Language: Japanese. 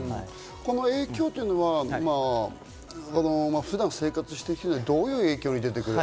この影響というのは、普段生活していくにはどういう影響が出てくる？